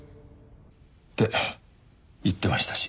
って言ってましたし。